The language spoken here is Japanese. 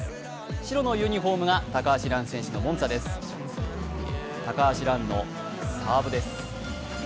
白のユニフォームが高橋藍選手のモンツァです高橋藍のサーブです。